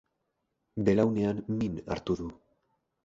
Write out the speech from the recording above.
Belaunean min hartu du.